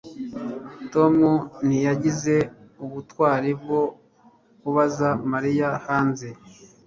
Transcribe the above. Tom ntiyagize ubutwari bwo kubaza Mariya hanze